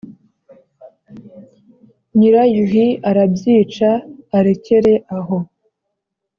Nyirayuhi arabyica, arekere aho